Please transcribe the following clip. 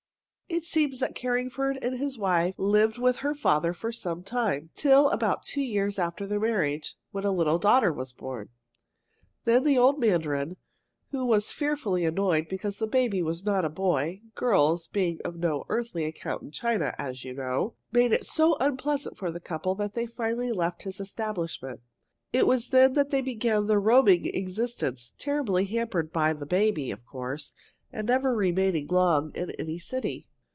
It seems that Carringford and his wife lived with her father for some time till about two years after their marriage, when a little daughter was born. Then the old mandarin, who was fearfully annoyed because the baby was not a boy (girls being of no earthly account in China, as you know!), made it so unpleasant for the couple that they finally left his establishment. It was then that they began their roaming existence, terribly hampered by the baby, of course, and never remaining long in any city.